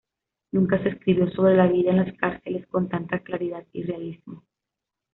Nunca se escribió sobre la vida en las cárceles con tanta claridad y realismo.